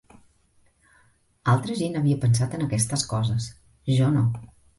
Altra gent havia pensat en aquestes coses, jo no.